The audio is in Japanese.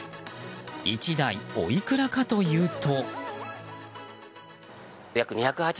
１台おいくらかというと。